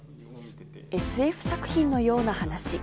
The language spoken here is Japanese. ＳＦ作品のような話。